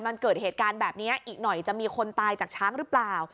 มันเกิดเหตุการณ์แบบนี้อีกหน่อยจะมีคนตายจากช้างหรือเปล่า